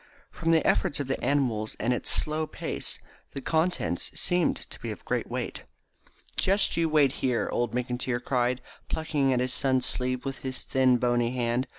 From the efforts of the animals and its slow pace the contents seemed to be of great weight. "Just you wait here," old McIntyre cried, plucking at his son's sleeve with his thin bony hand.